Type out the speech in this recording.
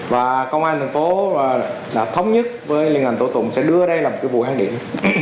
và công an tp đã thống nhất với liên hành tổ tụng sẽ đưa đây là một cái vụ hãng điểm